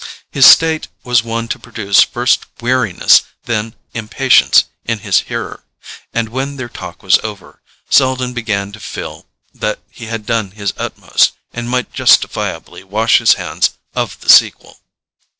His state was one to produce first weariness and then impatience in his hearer; and when their talk was over, Selden began to feel that he had done his utmost, and might justifiably wash his hands of the sequel.